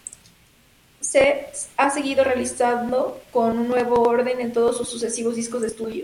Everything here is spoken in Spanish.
Zee ha seguido realizando con nuevo orden en todos sus sucesivos discos de estudio.